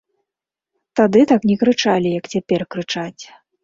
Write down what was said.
Тады так не крычалі, як цяпер крычаць.